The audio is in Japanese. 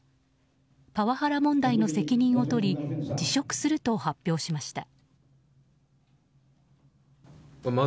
パワハラ問題の責任を取り辞職すると発表しました。